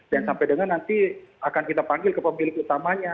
dan sampai dengan nanti akan kita panggil ke pemilik utamanya